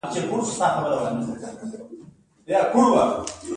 د دوی د منځته راتلو دوره لنډه ده.